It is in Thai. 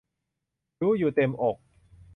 รู้อยู่เต็มอก